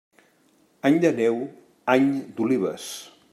Any de neu, any d'olives.